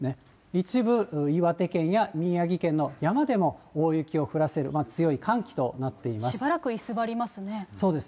一部、岩手県や宮城県の山でも大雪を降らせる強い寒気となっています。